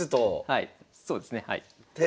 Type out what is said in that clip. はいそうですねはい。